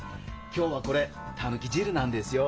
今日はこれタヌキ汁なんですよ。